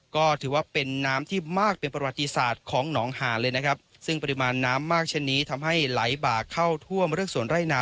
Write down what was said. ก็ถือว่าเป็นน้ำที่มากเป็นประวัติศาสตร์ของหนองหาเลยนะครับซึ่งปริมาณน้ำมากเช่นนี้ทำให้ไหลบากเข้าท่วมเรื่องสวนไร่นา